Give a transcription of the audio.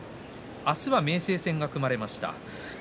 明日は明生戦が組まれました。